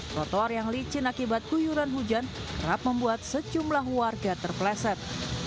trotoar yang licin akibat guyuran hujan kerap membuat sejumlah warga terpleset